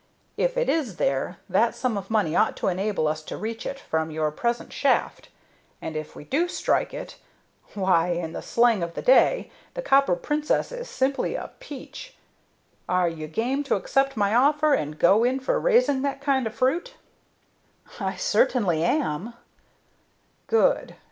If it is there, that sum of money ought to enable us to reach it from your present shaft; and if we do strike it, why, in the slang of the day, the Copper Princess is simply a 'peach.' Are you game to accept my offer and go in for raising that kind of fruit?" "I certainly am." "Good!